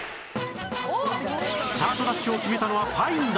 スタートダッシュを決めたのはパインだ！